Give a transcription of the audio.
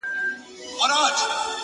د كار نه دى نور ټوله شاعري ورځيني پاته،